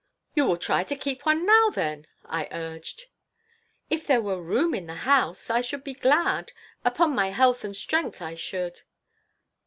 "You will try to keep one now, then," I urged "If there were room in the house, I should be glad. Upon my health and strength I should."